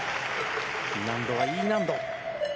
難度はＥ難度。